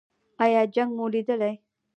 ایا جنګ مو لیدلی؟